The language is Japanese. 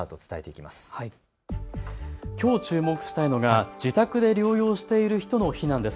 きょう注目したいのが自宅で療養している人の避難です。